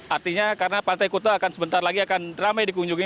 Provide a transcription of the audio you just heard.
artinya karena pantai kuta akan sebentar lagi akan ramai dikunjungi